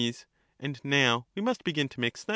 And now we must begin to mix them